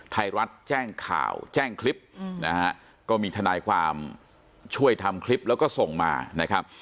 ไทยรัฐแจ้งข่าวแจ้งคลิปนะฮะก็มีทนายความช่วยทำคลิปแล้วก็ส่งมานะครับ